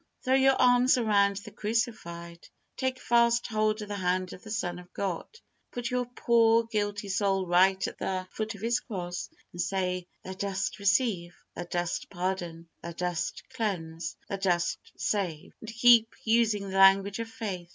Throw your arms around the Crucified. Take fast hold of the hand of the Son of God. Put your poor, guilty soul right at the foot of His cross, and say, "Thou dost receive; Thou dost pardon; Thou dost cleanse; Thou dost save;" and keep using the language of faith.